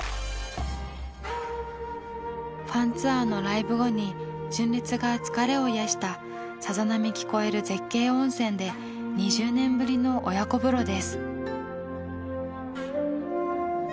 ファンツアーのライブ後に純烈が疲れを癒やしたさざ波聞こえる絶景温泉で２０年ぶりの親子風呂です。